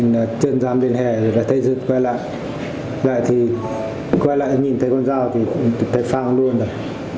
lại thì quay lại nhìn thấy con dao thì thấy phang luôn rồi